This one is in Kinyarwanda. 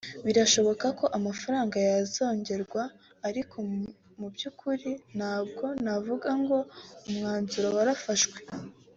birashoboka ko amafaranga yazongerwa ariko mu by’ukuri ntabwo navuga ngo umwanzuro warafashwe